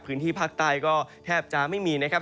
พื้นที่ภาคใต้ก็แทบจะไม่มีนะครับ